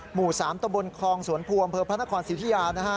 หมู่๓ตะบลคลองสวนภูมิบพระนครศิริยานะฮะ